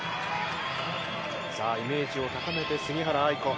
さあ、イメージを高めて杉原愛子。